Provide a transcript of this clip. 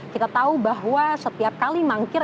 kita tahu bahwa setiap kali mangkir